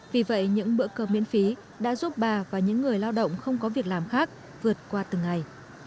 vì vậy những bữa cơm miễn phí đã giúp bà và những người lao động không có việc làm khác vượt qua từng ngày